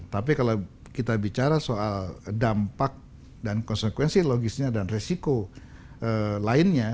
tapi kalau kita bicara soal dampak dan konsekuensi logisnya dan resiko lainnya